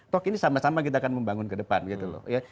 toh ini sama sama kita akan membangun ke depan gitu loh ya